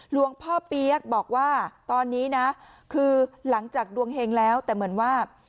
หลวงพ่อเปี๊ยกบอกว่าตอนนี้นะคือหลังจากดวงเฮงแล้วแต่เหมือนว่า